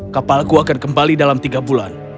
kapalku akan kembali dalam tiga bulan